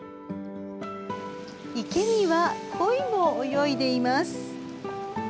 池には、コイも泳いでいます。